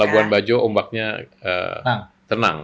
labuan bajo ombaknya tenang